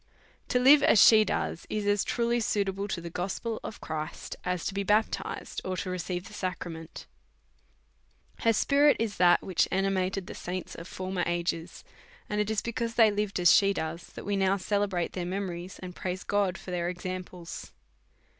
To live as she does, is as truly suitable to the gospel of Christ, as to be baptized or receive the sacrament. Her spirit is that which animated the saints of for mer ages ; and it is because they lived as she does that we now celebrate their memories, and praise God for their examples.